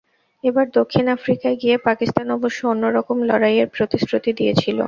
এবার দক্ষিণ আফ্রিকায় গিয়ে পাকিস্তান অবশ্য অন্য রকম লড়াইয়ের প্রতিশ্রুতি দিয়েছিল।